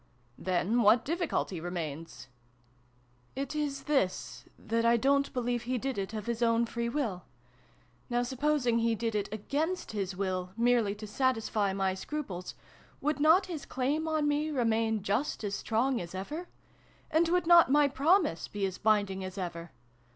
" Then what difficulty remains ?"" It is this, that I don't believe he did it of his own free will. Now, supposing he did it against his will, merely to satisfy my scruples, would not his claim on me remain just as strong as ever ? And would not my promise be as binding as ever